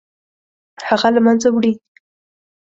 هغه له منځه وړي.